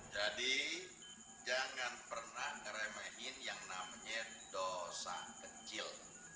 jadi jangan pernah meremehin yang namanya dosa kecil